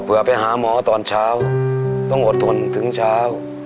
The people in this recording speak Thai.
เพื่อไปหาหมอตอนเช้าต้องอดทนถึงเช้า